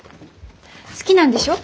好きなんでしょ？